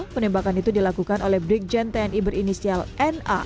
penembakan itu dilakukan oleh brigjen tni berinisial n a